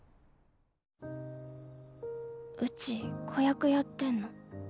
うち子役やってんの。